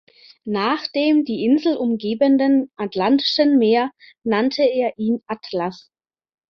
Nach dem die Insel umgebenden atlantischen Meer nannte er ihn Atlas.